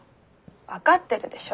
分かってるでしょ